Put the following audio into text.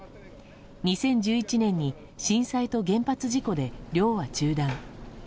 ２０１１年に震災と原発事故で漁は中断。